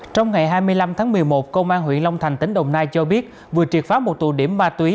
trong ngày hai mươi năm tháng một mươi một công an huyện long thành tỉnh đồng nai cho biết vừa triệt phá một tụ điểm ma túy